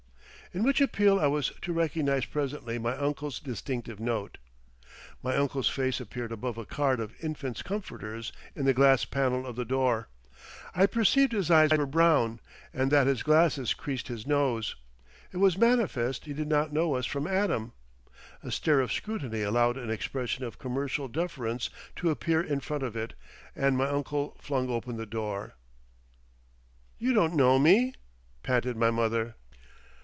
in which appeal I was to recognise presently my uncle's distinctive note. My uncle's face appeared above a card of infant's comforters in the glass pane of the door. I perceived his eyes were brown, and that his glasses creased his nose. It was manifest he did not know us from Adam. A stare of scrutiny allowed an expression of commercial deference to appear in front of it, and my uncle flung open the door. "You don't know me?" panted my mother.